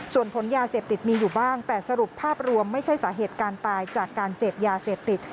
ส่วนผลยาเสพติดมีอยู่บ้างแต่สรุปภาพรวมไม่ใช่สาเหตุการตายจากการเสพยาเสพติด